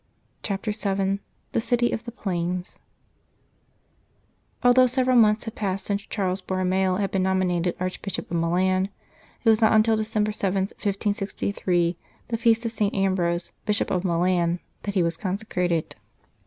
39 CHAPTER VII THE CITY OF THE PLAINS ALTHOUGH several months had passed since Charles Borromeo had been nominated Arch bishop of Milan, it was not until December 7, 1563, the feast of St. Ambrose, Bishop of Milan, that he was consecrated.